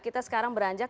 kita sekarang beranjak